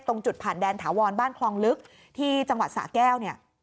ตรงจุดผ่านแดนถาวรบ้านคลองลึกที่จังหวัดสะแก้วเนี่ย